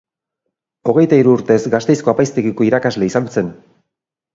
Hogeita hiru urtez Gasteizko Apaizgaitegiko irakasle izan zen.